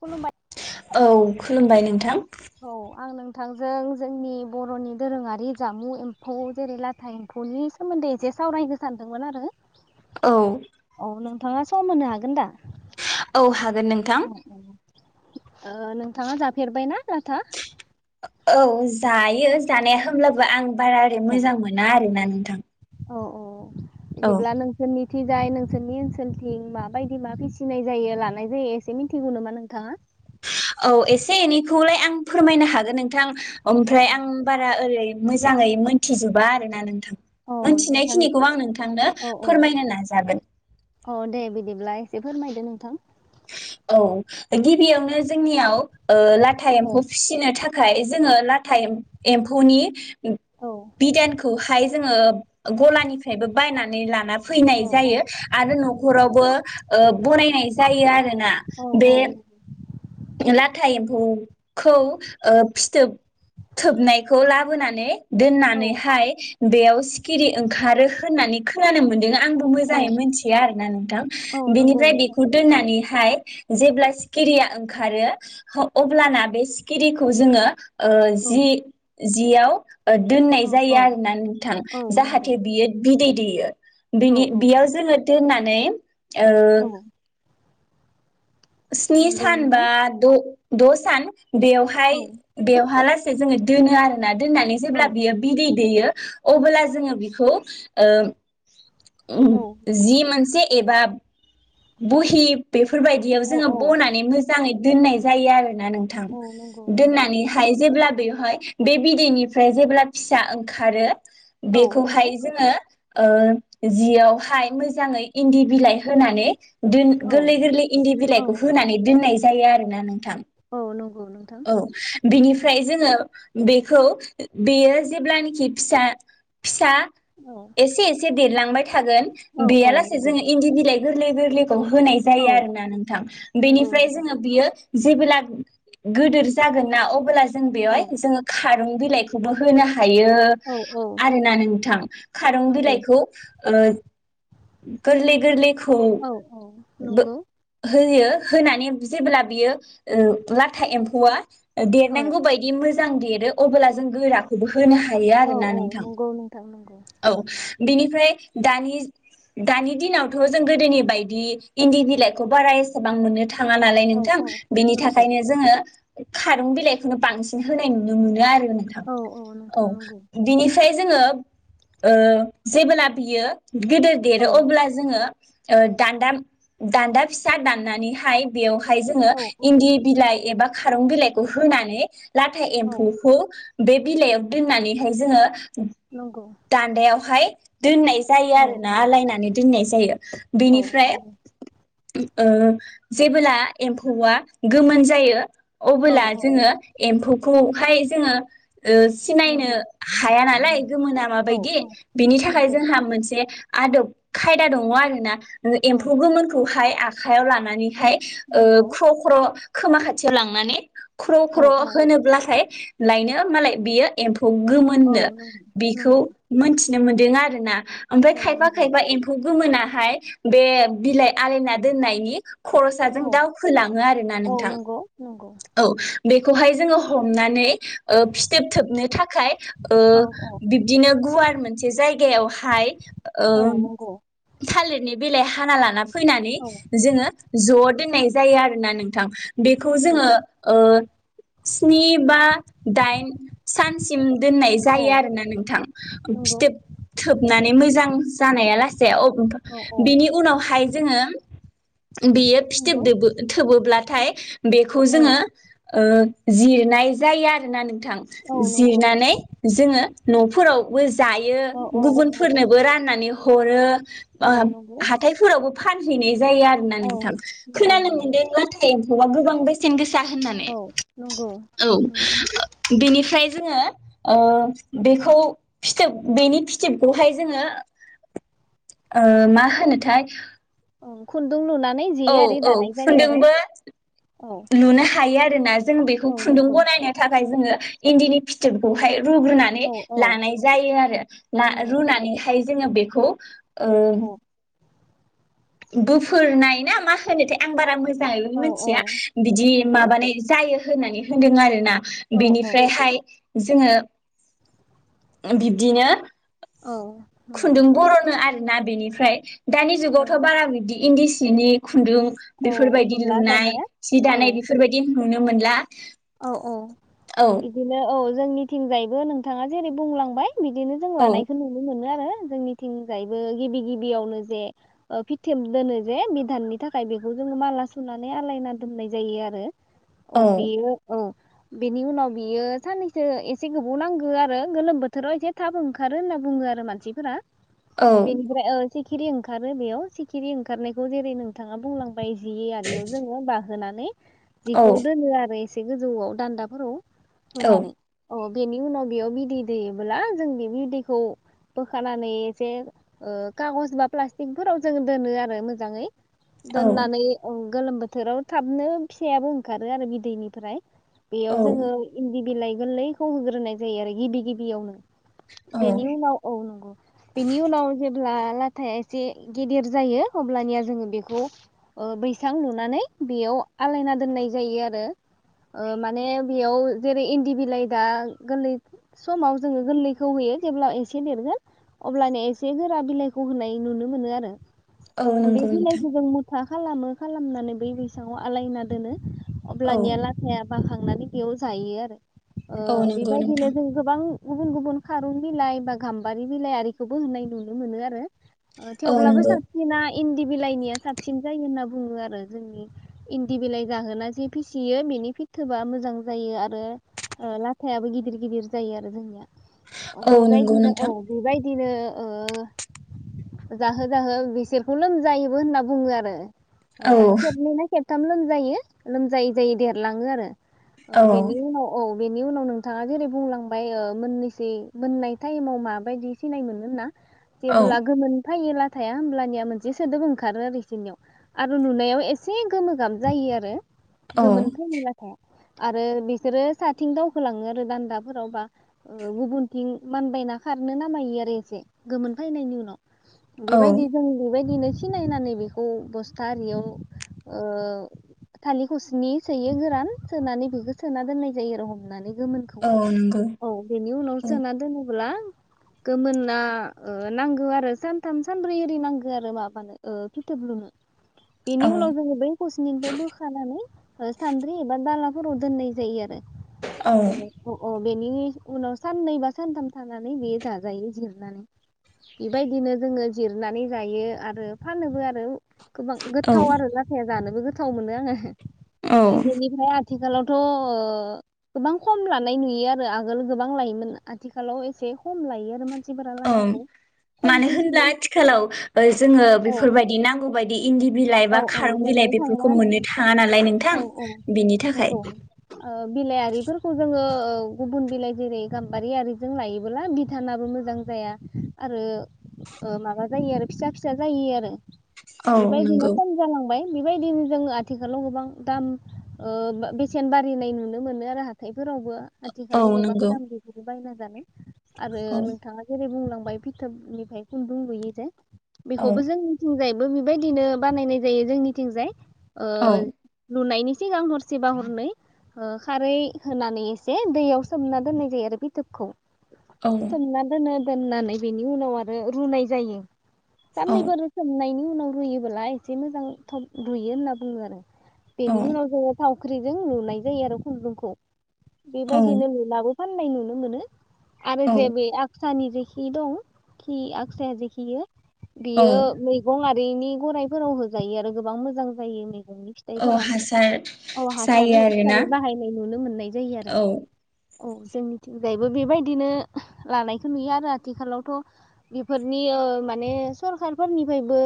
खुलुमबाय औ खुलुमबाय नोंथां औ आं नोंथांजों जोंनि बर'नि दोरोङारि जामु एम्फौ जेरै लाथा एम्फौनि सोमोन्दै एसे सावरायनो सानदोंमोन आरो। औ नोंथाङा सम होनो हागोन दा औ हाग अ औ ओ नोंथाङा जाफेरबायना लाथा? औ जायो जानाया होमब्लाबो आं बारा ओरै मोजां मोना आरो ना नोंथां? अ अह औ बिदिब्ला नोंसोरनि थिजाय नोंसोरनि ओनसोलथिं माबायदि मा फिसिनाय जायो लानाय जायो एसे मिथिगौ नामा नोंथाङा? औ एसे एनैखौलाय आं फोरमायनो हागोन नोंथां। औ ओमफ्राय आं बारा ओरै मोजाङै मोनथिजोबा आरो ना नोंथां? औ नोंथां मोनथिनायखिनिखौ आं नोंथांनो फोरमायनो नाजागोन। अ दे बिदिब्ला एसे फोरमायदो नोंथां। औ गिबियावनो जोंनियाव ओ लाथा औ एम्फौ फिसिनो था खाय जोङो लाथा एम्फौनि औ बिदानखौ हाइ जोङो गनिफ्रायबो बायनानै ला ना औ फैनाय औ जायो आरो नंगौ न'खावबो ओ बनायनाय जायो आर रोना औ बे औ लाथा एम्फौखौ ओ फिथोब थोबनायखौ लाबोनानै औ दोननानैहाय बेयाव सिखिरि ओंखारो होननानै खोनानो मोन्दों आं। आंबो औ मोजाङै मोनथिया आरोना नोंथां औ नंगौ बेनिफ्राय नोंथां बेखौ दोननानैहाय जेब्ला सिखिरिया ओं ओंखारो अब्लाना बे सिखिरिखौ जोङो ओ औ जि जियाव ओ दोननाय औ जायो औ आरोना नोंथां औ नंगौ जाहाथे बियो बिदै दैयो औ बिनि औ बेयाव जोङो दोन्नानै ओ औ स्नि नंगौ सानबा नोंथां द' द' सान औ बेयावहाय बेवहा लास जोङो दोनो आरो ना दोन्नानै औ जेब्ला बियो बिदै दैयो अबोब्ला जोङो बिखौ ओ उम औ नंगौ जि मोनसे एबा बहि बेफोरबायदियाव औ जोङो औ बनानै मोजां मोजाङै दोननाय जायो आरो ना नोंथां औ नंगौ नंगौ दोननानैहाय जेब्ला बेवहाय बे बिदैनिफ्राय जेब्ला फिसा ओंखारो औ नंगौ बेखौहाय जोङो ओ जियावहाय मोजाङै इन्दि बिलाइ होनानै दोन औ गोरलै गोरलै इन्दि बिलाइखौ औ होनानै दोननाय जायो आरो ना नों औ नं औ बिनिफ्राय जोङो बेखौ बेयो जेब्लानाखि फिसा फिसा औ एसे एसे देरलांबाय थागोन औ औ गैयालासे नंगौ जो इन्दि बिलाइ गोरलै गोरलै खौ होनाय औ जायो आरोना नोंथां नंगौ बेनिफ्राय नोंथां जोङो बियो जेबोला गोदोर जागोन ना अब्ला जों औ बेवहाय जों खारोमो बिलाइखौबोथ' होना हायो औ औ आरोना नोंथां खारं नंगौ औ नंगौ बिलाइखौ ओ गोरलै गोरलैखौ औ औ होयो होनानै जेब्ला बियो ओ था एम्फौआ देरनांगौ बायदि मोजां मोजां देरो अबोब्ला जों गोराखौबो होनो हायो आरोना औ नोंथां नंगौ नोंथां नंगौ औ बिनिफ्राय दानि दानि दिनावथ' जों गोदोनि बायदि इन्दि बिलाइखौ बारा एसेबां मोननो था थाङा नालाय औ नोंथां औ बिनि नंगौ थाखायनो खारुन बिलाइखौनो बांसिन होनाय नुनो मोनो आरो थां औ नोंथां औ नंगौ बिनिफ्राय जोङो ओ जेबोला बियो गिदिर औ देरो अब्ला जोङो ओ दान्दा दान्दा फिसा दाननानैहाय बेयाव जोङो औ औ इन्दि बिलाइ एबा खारं बिलाइखौ होनानै लाथा एमफुखौ बे बिलाइयाव दोननानैहाय जोङो नंगौ दान्दायावहाय दोननाय जायो औ आरोना आलायनानै दोननाय जायो औ बेनिफ्राय नंगौ ओ जेबोब्ला एम्फौआ गोमोन जायो [inaudible] औ अबोला औ जोङो एम्फौ खौहाय जोङो ओ सिनायनो नंगौ हाया नालाय गोमोना औ माबायदि औ बेनि थाखाय नंगौ जोंहा मोनसे आदब खायदा दङ आरो ना औ एम्फौ गोमोनखौहाय आखाइयाव लानानै हाय ओ नंगौ ख्र' ख्र' खोमा लांनानै ख्र' औ ख्र' औ होनोब्लाथाय लायनो मालाय बियो एम्फौ खौ औ गोमोननो नंगौ बेखौ नंगौ मोनथि नो मोनदों आरो ना ओमफ्राय औ खायफा नंगौ खायफा एम्फौ गोमोनाहाय बे बिलाइ आलायना दोननायनि औ खर'साजों दाउ खोलाङो आरो ना औ नोंथां नंगौ नंगौ औ बे बेखौहाय जोङो हमनानै ओ फिथोबथोबनो थाखाय ओ औ औ बिब्दिनो गुवार मोनसे जाय गायावहाय ओ औ नंगौ थालिरनि बेलायाव हाना लाना फैनानै औ जोङो ज' दोननाय जायो आरोना नोंथां। बेखौ नंगौ जोङो ओ स्नि बा डाइन सान सिम दोननाय औ जायो आरोना नोंथां नंगौ फिथोब थोबनानै मोजां जानाया लासे औ औ बिनि उनावहाय जोङो बेयो नंगौ फिथोबदोबो थोबोब्लाथाय [inaudible] बेखौ औ जोङो ओ जिरनाय जायो आरो ना नों थां नंगौ नंगौ जिरनानै जोङो न'फोराव जायो औ औ नंगौ गुबुनफोरनोबो राननानै हरो औ नंगौ हाथायफोरावबो फानहैनाय जायो आरोना औ नोंथां नंगौ खोनानो नंगौ मोनदों लाथा एम्फौ गोबां बेसेन गोसा होननानै औ नंगौ नंगौ नोंथां औ बिनिफ्राय जोङो ओ बेखौ फिथोब बेनि फिथोबखौहाय जोङो ओ मा होनोथाय खुन्दुं लुनानै जे औ आरि औ दानाय जायो आरो खुनदुंबो औ लुनो हायो [unintelligible] जों बेखौ औ खुन्दुं नंगौ बनायनो थाखाय जोङो इन्दिनि फिथोबखौहाय रुग्रोनानै औ औ लानाय जायो आरो नंगौ रुनानैहाय जोङो बेखौ ओ औ गोफुरनाय ना मा होनोथाय आं बारा मोजां जाङै औ औ मोनथिया बिदि नंगौ माबानाय जायो होनानै होनदों आरोना औ औ बिनिफ्रायहाय जोङो बिब्दिनो औ नंगौ खुन्दुं बर'नो आरो ना बेनिफ्राय दानि औ जुगाव थ बारा बिदि इन्दि सिनि खुन्दुं औ बेफोरबायदि नुला लुनाय दानिया सि औ दानाय बेफोरबायदि नुनो मोनला औ औ औ बिदिनो औ जोंनिथिंजायबो नोंथाङा जेरै बुंलांबाय बिदिनो जों औ लानायखौ नुनो मोनो आरो आरो जोंनिथिंजायबो गिबि गिबियावनो जे ओ फिथोब दोनो जे बिधाननि थाखाय बेखौ जोङो माला सुनानै आलायना दोननाय जायो आरो अ औ बेयो औ बेनि उनाव बियो साननैसो एसे गोबाव नांगो आरो गोलोम बोथोराव एसे थाब ओंखारो होनना बुङो आरो मानसिफोरा औ बेनिफ्राय ओ सिखिरि ओंखारो बेयाव सिखिरि ओंखारनायखौ जेरै नोंथाङा बुंलां बाय जि आरियाव जोङो बा होनानै औ जिखौ दोनो आरो एसे गोजौआव दान्दाफोराव होननानै अ बेनि उनाव बेयाव बिदै दैयोब्ला जों बे बिदैखौ बोखानानै एसे ओ कागज बा प्लास्टिकफोराव जों दोनो आरो मोजाङै औ दोननानै उम गोलोम बोथोराव थाबनो फिसायाबो ओंखारो आरो बिदैनि ओमफ्राय औ बेयाव जोङो इनदि बिलाइ गोरलैखौ होग्रोनाय जायो आरो गिबि गिबियावनो औ बेनि उनाव औ नंगौ बेनि उनाव जेब्ला लाथाया एसे गेदेर जायो अब्लानिया जोङो बेखौ ओ बैसां लुनानै बेयाव आलायना दोननाय जायो आरो ओ माने बेयाव जेरै इन्दि बिलाइ दा गोरलै समाव जोङो गोरलैखौ होयो जेब्ला एसे देरगोन अब्लानो एसे गोरा बिलाइखौ होनाय नुनो मोनो आरो औ बे नंगौ नोंथां बिलाइखौ जों मुथा खालामो खालामनानै बै बैसाङाव आलायना दोनो औ होमब्लानिया लाथाया बाखांनानै बेयाव जायो आरो ओ औ नंगौ बेबायदिनो नोंथां जों गोबां गुबुन गुबुन खारुन बिलाइ बा गाम्बारि बिलाइ आरिखौबो होननाय नुनो मोनो आरो ओ औ थेवब्लाबो नंगौ साबसिना इन्दि बिलाइनिया साबसिन जायो होनना बुङो आरो जोंनि इन्दि बिलाइ जाहोना जे फिसियो बेनि फिथोबा मोजां जायो आरो ओ लाथायाबो गिदिर गिदिर जायो आरो जोंनिया औ नंगौ बेबायदिनो औ नोंथां बेबायदिनो ओ जाहो जाहो बिसोरखौ लोमजायोबो होनना बुङो आरो औ ओ खेबनै ना खेब थाम लोमजायो लोमजायै जायै देरलाङो आरो ओ औ बेनि उनाव औ बेनि उनाव नोंथाङा जेरै बुंलांबाय ओ मोननैसै मोननाय टाइमाव माबायदि सिनाय मोनो होनना औ जेबोला‌ गोमोन फैयो लाथाया होमब्लानिया मोनसे सोदोब ओंखारो आरो बिसोरनियाव आरो नुनायाव एसे गोमो गाब जायो आरो औ गोमोनथ' [unintelligible] आरो बिसोरो साथिं दावखोलाङो आरो दान्दाफोराव बा ओ गुबुनथिं मानबायना खारनो नामायो आरो एसे गोमोन फैनायनि उनाव औ बेबायदि जों बेबायदिनो सिनायनानै बेखौ बस्था आरियाव थालिरखौसिनि सोयो गोरान सोनानै बेखौ सोना दोननाय जायो आरो हमनानै गोमोनखौ औ नंगौ औ बेनि उनाव औ सोना दोनोब्ला गोमोना ओ नांगौ आरो सानथाम सानब्रै ओरि नांगौ आरो माबानो ओ फिथोब लुनो बेनि औ उनाव जोङो बै खौसिनिनिफाय बो नानै ओ सान्द्रि एबा दाला फोराव दोननाय जायो आरो। औ औ। बेनि उनाव साननै बा सानथाम थानानै बेयो जाजायो जिरनानै बेबायदिनो जोङो जिरनानै जायो आरो फानोबो आरो। गोबां औ गोथाव आरो लाथाया जानोबो गोथाव मोनो आं औ बेनि भाय आथिखालावथ' गोबां खम लानाय नुयो आरो आगोल गोबां लायोमोन आथिखालाव एसे खम लायो आरो मान औ मानो होनब्ला आथिखालाव ओ जोङो औ बेफोरबायदि नांगौ बायदि इन्दि बिलाइ औ बा खारं मोननो बिलाइ थांला बेफोरखौ आरो मोननो थाङ औ औ औ नोंगौ ओ बिलाइ आरिफोरखौ जोङो औ गुबुन बिलाइ जेरै गाम्बारि आरिजों लायोबोला भिधानाबो मोजां जाया आरो माबा जायो आरो फिसा फिसा जायो आरो। औ बेबायदिनो नंगौ खम जालांबाय बेबायदिनो जोङो थिखालाव गोबां दाम बेसेन बारनाय नुनो मोनो आरो हाथाय। फोरावबो औ आथिखालाव गोबां नंगौ दाम बेस बायनानै जानो। आरो औ नोंथाङा जेरै बुंलां माय फिथोबनिफ्राय खुन्दुं लुयो जे औ बेखौबो जोंनिथिंजाय बो बेबायदिनो बानायनाय जायो जोंनिथिंजाय ओ औ लुनायनि सिगां हरसेबा हरनै ओ खारै होनानै एसे दैयाव सोमना दोननाय जायो आरो फिथोबखौ औ [unintelligible] दोननानै बेनि उनाव आरो रुनाय जायो। औ साननैफोर सोमनाय नि उनाव रुयोबोला एसे मोजां थफ रुयो होनना बुङो आरो। बेनि औ उनाव जोङो ख्रिजों लुनाय जायो आरो खुन्दुंखौ बेबायदिनो औ लुनाबो फाननाय नुनो मोनो। आरो जेबो सानि जेखि दं खि आक्साया जेखियो औ बियो औ मैगं बेनि गराइफोराव होजायो आरो गोबां मोजां। जायो। दौनि औ फिथाइफोरा हासार औ हासार जायो आरोना हिसाबै बाहायनाय नुनो मोननाय जायो आरो। औ औ जोंनिथिंजायबो बेबायदिनो लानायखौ नुयो आरो आथिखालावथ' बेफोरनि ओ माने सरखारफोरनिफ्रायबो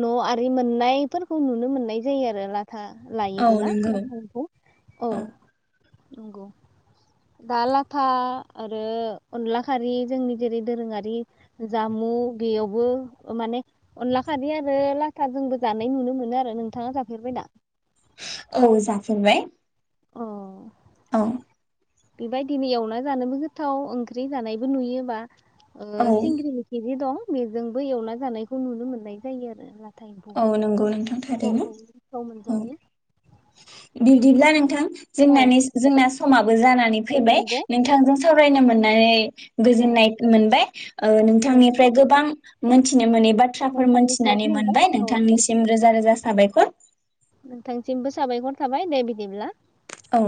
न' आरि मोननायफोरखौ नुनो मोननाय जायो आरो ना। हो औ लायोबोला नंगौ एम्फखौ औ। नंगौ दा लाथा आरो अनला खारि जोंनि जेरै दोरोङारि जामु बेयावबो माने अनला खारि आरो लाथा जोंबो जानाय नुनो मोनो आरो नों। थाङा जाफेरबाय ना। औ जाफेरबाय। अ औ। बेबायदिनो एवना जानोबो गोथाव ओंख्रि जानायबो नुयोबा। ओ औ सिंग्रि मिखिबो दं। बेजोंबो एवना जानायखौ नुनो मोननाय जायो आरो ला। थाइम्फौ औ नंगौ नोंथां औ औ थाव मोजाङै। बिदिब्ला नोंथां औ जोंना जोंना समाब जानानै औ फैबाय नंगौ नोंथांजों सावरायनो मोननानै गोजोननाय मोनबाय ओ दे नोंथांनिफ्राय गोबां मोनथि थिनो मोनै बाथ्राफोर नोंथांनिफ्रायबो मोनथिनानै मोनबाय औ औ नोंथांनिसिम रोजा रोजा साबायखर नोंथांसिमबो साबायखर थाबाय दे बिदिब्ला औ।